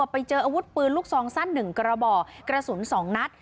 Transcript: พอไปเจออาวุธปืนลูกซองสั้นหนึ่งกระบ่อกระสุนสองนัด